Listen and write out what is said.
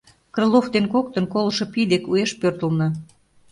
Крылов ден коктын колышо пий дек уэш пӧртылна.